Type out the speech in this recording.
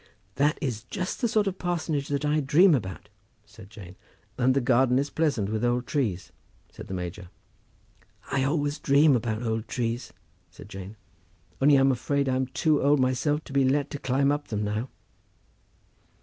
"That is just the sort of parsonage that I dream about," said Jane. "And the garden is pleasant with old trees," said the major. "I always dream about old trees," said Jane, "only I'm afraid I'm too old myself to be let to climb up them now."